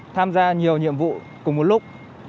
tham gia nhiều nhiệm vụ cùng một lúc